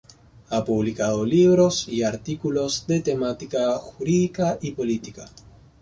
Ha publicado libros y artículos de temática jurídica y política.